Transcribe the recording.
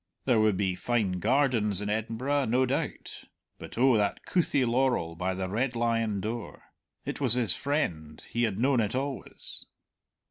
There would be fine gardens in Edinburgh, no doubt; but oh, that couthie laurel by the Red Lion door! It was his friend; he had known it always.